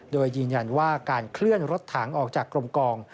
โดยยืนยันว่าการเคลื่อนรถถังออกจากกลมกอง